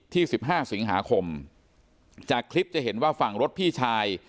สิบห้าสิงหาคมจากคลิปจะเห็นว่าฝั่งรถพี่ชาย